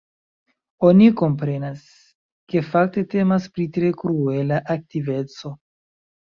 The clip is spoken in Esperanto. Oni komprenas, ke fakte temas pri tre kruela aktiveco.